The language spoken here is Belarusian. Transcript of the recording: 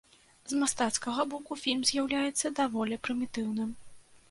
З мастацкага боку фільм з'яўляецца даволі прымітыўным.